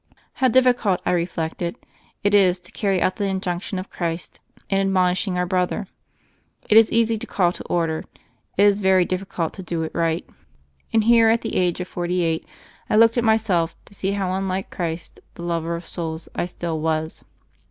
How difficult, I reflected, it is to carry out the injunction of Christ in admonishing our brother I It is easy to call to order; it is very difficult THE FAIRY OF THE SNOWS 177 to do it right. And here, at the age of forty eight, I looked at myself to see how unlike Christ, the lover of souls, I still was.